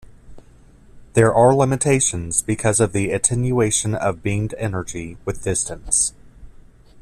There are limitations because of the attenuation of beamed energy with distance.